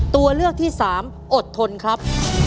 ตัวเลือกที่๓อดทนครับ